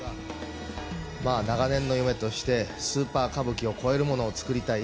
まあ長年の夢として、スーパー歌舞伎を超えるものを作りたい。